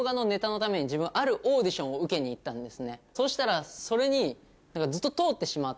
そうしたらそれに。